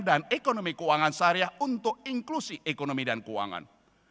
dan ekonomi keuangan sehariah untuk inklusi ekonomi dan keuangan